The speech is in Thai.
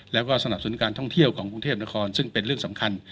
แล้วก็สนับสนุนการท่องเที่ยวของกรุงเทพนครซึ่งเป็นเรื่องสำคัญ